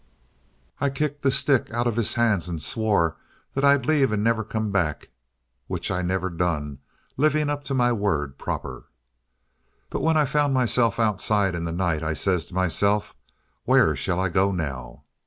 I kicked the stick out of his hands and swore that I'd leave and never come back. Which I never done, living up to my word proper. "But when I found myself outside in the night, I says to myself: 'Where shall I go now?'